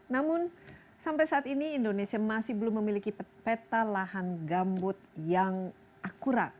namun sampai saat ini indonesia masih belum memiliki peta lahan gambut yang akurat